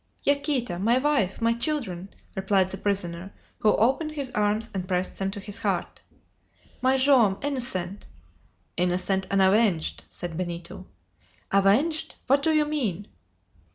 "Yaquita! my wife! my children!" replied the prisoner, who opened his arms and pressed them to his heart. "My Joam, innocent!" "Innocent and avenged!" said Benito. "Avenged? What do you mean?"